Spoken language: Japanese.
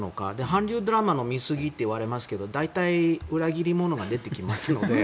韓流ドラマの見すぎと言われますけど大体、裏切り者が出てきますので。